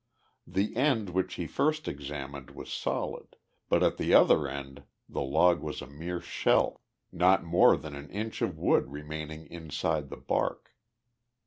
The end which he first examined was solid, but at the other end the log was a mere shell, not more than an inch of wood remaining inside the bark.